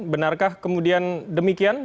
benarkah kemudian demikian